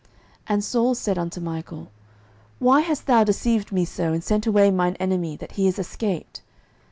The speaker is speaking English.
09:019:017 And Saul said unto Michal, Why hast thou deceived me so, and sent away mine enemy, that he is escaped?